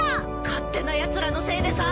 勝手なやつらのせいでさ。